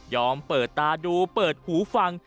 เปิดตาดูเปิดหูฟัง